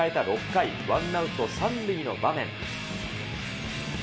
６回、ワンアウト３塁の場面。